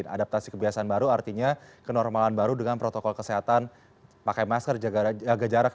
adaptasi kebiasaan baru artinya kenormalan baru dengan protokol kesehatan pakai masker jaga jarak